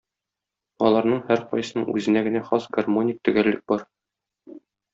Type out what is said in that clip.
Аларның һәркайсының үзенә генә хас гармоник төгәллек бар.